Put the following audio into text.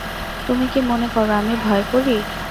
তুমি কি মনে কর, আমি ভয় করি।